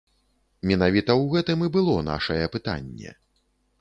Менавіта ў гэтым і было нашае пытанне.